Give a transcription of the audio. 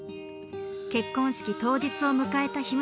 結婚式当日を迎えたひむ